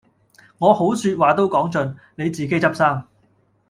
我好說話都講盡，你自己執生